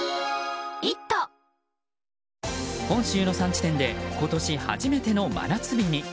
本州の３地点で今年初めての真夏日に。